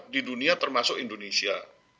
di dunia termasuk indonesia